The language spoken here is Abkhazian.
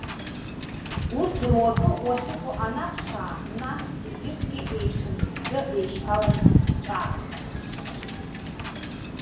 Урҭ руакы уахьыҟоу анаԥшаа, нас, егьырҭгьы еихьынҳәҳәы, еишьҭаланы рҿаархауеит.